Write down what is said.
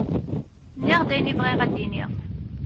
Nniɣ-d ayen i bɣiɣ ad d-iniɣ.